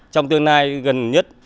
trong tương lai gần nhất